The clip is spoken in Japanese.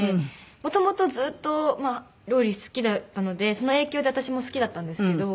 もともとずっと料理好きだったのでその影響で私も好きだったんですけど。